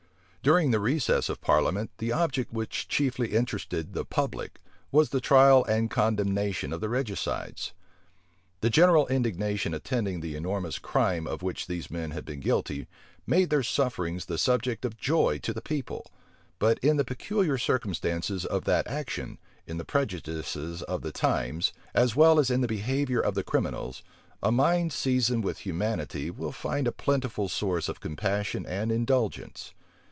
During the recess of parliament, the object which chiefly interested the public, was the trial and condemnation of the regicides. The general indignation attending the enormous crime of which these men had been guilty, made their sufferings the subject of joy to the people: but in the peculiar circumstances of that action, in the prejudices of the times, as well as in the behavior of the criminals, a mind seasoned with humanity will find a plentiful source of compassion and indulgence.